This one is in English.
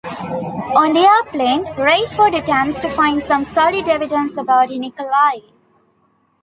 On the airplane, Rayford attempts to find some solid evidence about Nicolae.